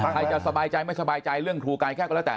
ใครจะสบายใจไม่สบายใจเรื่องธุรกิจก็แล่ะแต่